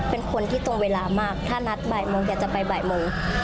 เป็นคนที่ตรงเวลามากถ้านัดบ่ายโมงอยากจะไปบ่ายโมง